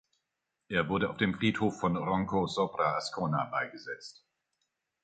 Er wurde auf dem Friedhof von Ronco sopra Ascona beigesetzt.